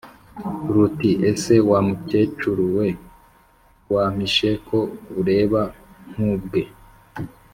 ruti:” ese wa mukecuru we wampishe ko ureba nkubwe!